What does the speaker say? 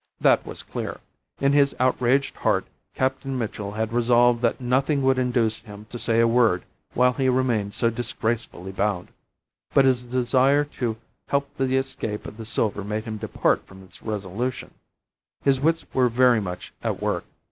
That was clear. In his outraged heart, Captain Mitchell had resolved that nothing would induce him to say a word while he remained so disgracefully bound, but his desire to help the escape of the silver made him depart from this resolution. His wits were very much at work.